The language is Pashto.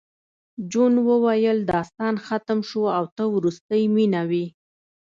جون وویل داستان ختم شو او ته وروستۍ مینه وې